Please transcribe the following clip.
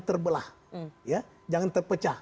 terbelah jangan terpecah